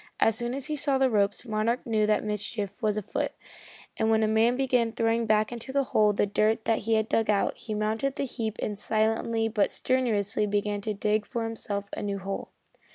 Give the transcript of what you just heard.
As soon as he saw the ropes, Monarch knew that mischief was afoot, and when a man began throwing back into the hole the dirt that he had dug out, he mounted the heap and silently but strenuously began to dig for himself a new hole.